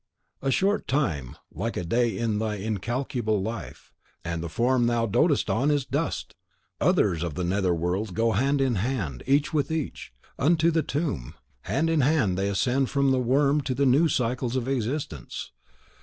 A short time, like a day in thy incalculable life, and the form thou dotest on is dust! Others of the nether world go hand in hand, each with each, unto the tomb; hand in hand they ascend from the worm to new cycles of existence.